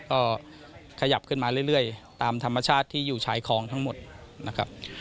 ก็ขยับขึ้นมาเรื่อยตามธรรมชาติที่อยู่ชายคลองทั้งหมดนะครับ